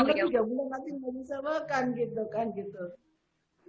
selama tiga bulan nanti nggak bisa makan gitu kan gitu